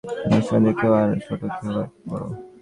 অন্যান্য সঙ্গীদের কেহ আরও ছোট, কেহ বা একটু বড়।